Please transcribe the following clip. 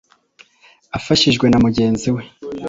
afashijwe na mugenzi we.